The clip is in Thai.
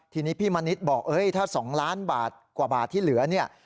ทีนี้พี่มณิษฐ์บอกถ้า๒ล้านบาทกว่าบาทที่เหลือเนี่ย